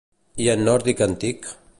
I en nòrdic antic?